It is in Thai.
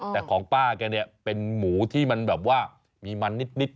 แต่ของป้าแกเนี่ยเป็นหมูที่มันแบบว่ามีมันนิด